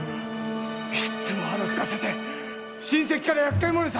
いっつも腹すかせて親戚から厄介者にされて。